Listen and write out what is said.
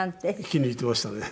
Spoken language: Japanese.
気に入っていましたね。